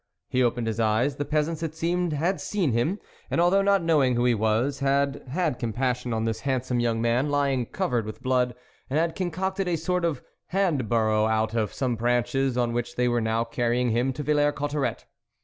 He opened his eyes ; the peasants, it seemed, had seen him, and although not knowing who he was, had had compassion on this handsome young man lying covered with blood, and had concocted a sort of hand barrow out of some branches, on which they were now carrying him to Villers Cotterets.